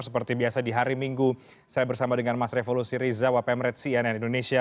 seperti biasa di hari minggu saya bersama dengan mas revo lusiriza wpm red cnn indonesia